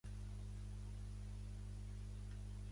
I aqueix record que n’hi tinc al cor.